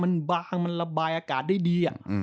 มันบางมันระบายอากาศได้ดี